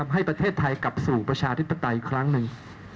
ให้ประเทศไทยกลับสู่ประชาธิปไตยอีกครั้งหนึ่ง